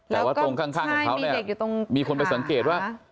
แต่ว่าตรงข้างของเขาเนี่ยมีคนไปสังเกตว่า